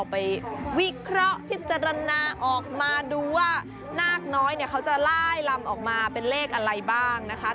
มีติจรณออกมาดูว่านากน้อยนี่เค้าจะล่ายรำออกมาเป็นเลขอะไรบ้างนะคะ